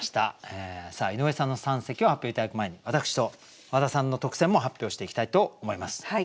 さあ井上さんの三席を発表頂く前に私と和田さんの特選も発表していきたいと思います。